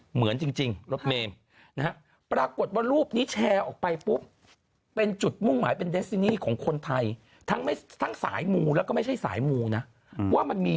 เหมือนจริงรถเมม